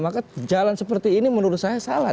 maka jalan seperti ini menurut saya salah